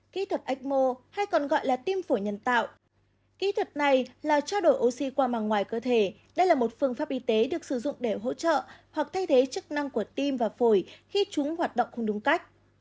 kỹ thuật ecmo hay còn gọi là tim phổi nhân tạo kỹ thuật này là trao đổi oxy qua màng ngoài cơ thể đây là một phương pháp y tế được sử dụng để hỗ trợ hoặc thay thế chức năng của tim và phổi khi chúng hoạt động không đúng cách